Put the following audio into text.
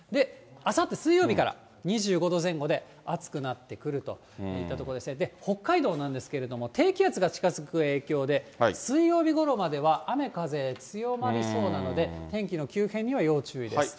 あさって水曜日から２５度前後で、暑くなってくるといったところで、北海道なんですけれども、低気圧が近づく影響で、水曜日ごろまでは雨風強まりそうなので、天気の急変には要注意です。